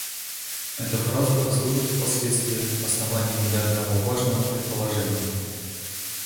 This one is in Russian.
Эта фраза послужит впоследствии основанием для одного важного предположения.